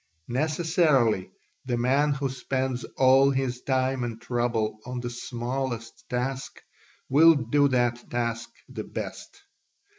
Necessarily the man who spends all his time and trouble on the smallest task will do that task the best.